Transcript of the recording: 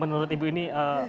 menurut ibu ini